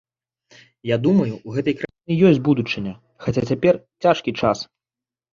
Я думаю, у гэтай краіны ёсць будучыня, хаця цяпер цяжкі час.